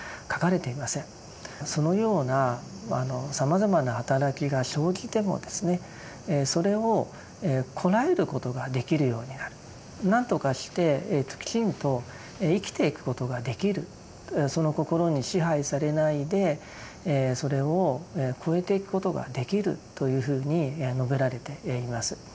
そのようなさまざまな働きが生じてもそれをこらえることができるようになる何とかしてきちんと生きていくことができるその心に支配されないでそれを越えていくことができるというふうに述べられています。